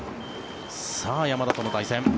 山田との対戦。